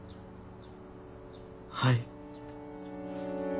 はい。